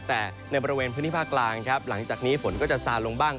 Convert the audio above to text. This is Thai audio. แต่ในบริเวณพื้นที่ภาคกลางครับหลังจากนี้ฝนก็จะซาลงบ้าง